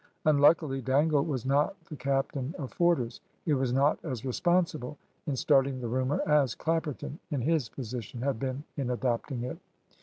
Unluckily, Dangle was not the captain of Forder's. He was not as responsible in starting the rumour as Clapperton, in his position, had been in adopting it.